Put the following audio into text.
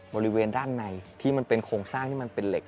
บริเวณด้านในที่มันเป็นโครงสร้างที่มันเป็นเหล็ก